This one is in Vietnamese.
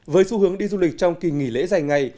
với xu hướng đi du lịch trong kỳ nghỉ lễ dài ngày